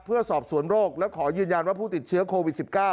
เพื่อสอบสวนโรคและขอยืนยันว่าผู้ติดเชื้อโควิด๑๙